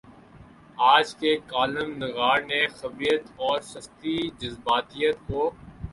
آج کے کالم نگار نے خبریت اورسستی جذباتیت کو